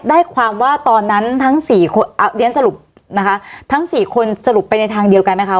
ได้ความว่าตอนนั้นทั้งสี่คนเอาเรียนสรุปนะคะทั้งสี่คนสรุปไปในทางเดียวกันไหมคะ